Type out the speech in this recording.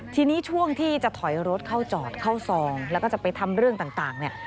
ทีนี้ช่วงที่จะถอยรถเข้าจอดเข้าซองแล้วก็จะไปทำเรื่องต่างเนี่ย